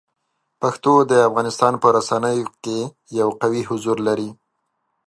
پښتو د افغانستان په رسنیو کې یو قوي حضور لري.